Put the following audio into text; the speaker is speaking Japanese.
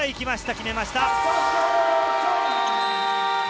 決めました。